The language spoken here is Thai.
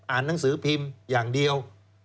หนังสือพิมพ์อย่างเดียว